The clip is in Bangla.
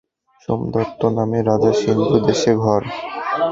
সোমদত্ত নামে রাজা সিন্ধু দেশে ঘর।